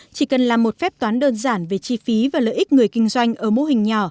chỉ cần làm một phép toán đơn giản về chi phí và lợi ích người kinh doanh ở mô hình nhỏ